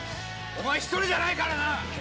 お前は１人じゃないからな！